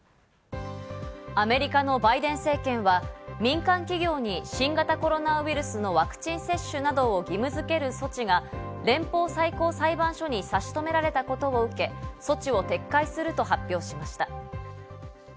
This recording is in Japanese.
アメリカのバイデン政権は民間企業に新型コロナウイルスのワクチン接種などを義務づける措置が、連邦最高裁判所に差し止められたことを受け、措置を撤回すると発表しました。